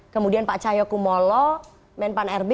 kemudian pak cahyokumolo menpan rb